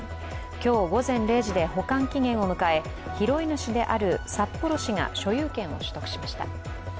今日午前０時で保管期限を迎え拾い主である札幌市が所有権を取得しました。